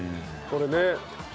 これね。